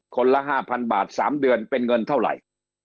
ละ๕๐๐บาท๓เดือนเป็นเงินเท่าไหร่